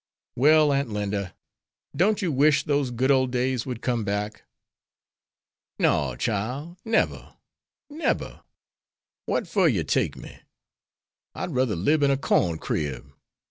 "Well, Aunt Linda, don't you wish those good old days would come back?" "No, chile; neber! neber! Wat fer you take me? I'd ruther lib in a corn crib.